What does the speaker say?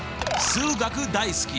数学大好き！